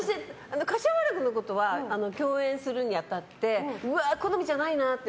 柏原君のことは共演するにあたってうわ、好みじゃないなって